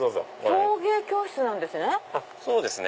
陶芸教室なんですね。